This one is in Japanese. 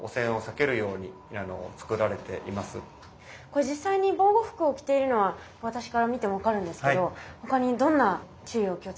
これ実際に防護服を着ているのは私から見ても分かるんですけど他にどんな注意を気をつけてるんですか？